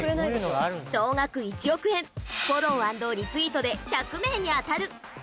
「総額１億円フォロー＆リツイートで１００名に当たる」。